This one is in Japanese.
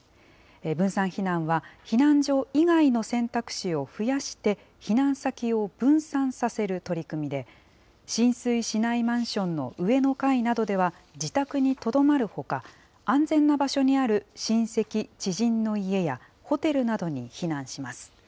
分散避難は、避難所以外の選択肢を増やして、避難先を分散させる取り組みで、浸水しないマンションの上の階などでは自宅にとどまるほか、安全な場所にある親戚、知人の家やホテルなどに避難します。